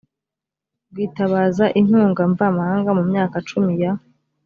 rwitabaza inkunga mvamahanga mu myaka cumi ya